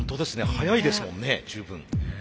速いですもんね十分。